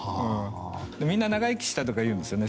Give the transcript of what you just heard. みんな長生きしたというんですよね。